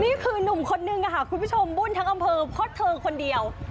นี่คือนุ่มคนนึงค่ะคุณผู้ชมวุ่นทั้งอำเภอเพราะเธอคนเดียว